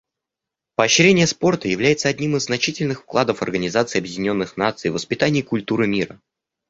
Поощрение спорта является одним из значительных вкладов Организации Объединенных Наций в воспитании культуры мира.